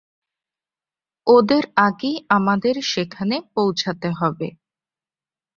ওদের আগেই আমাদের সেখানে পৌঁছাতে হবে।